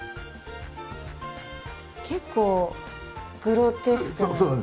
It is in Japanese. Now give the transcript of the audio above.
結構グロテスクな。